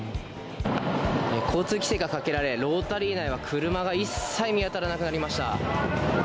交通規制がかけられ、ロータリー内は車が一切見当たらなくなりました。